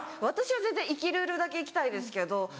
私は全然生きれるだけ生きたいですけど。